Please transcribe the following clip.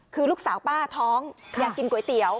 คือลูกสาวป้าท้องอยากกินก๋วยเตี๋ยว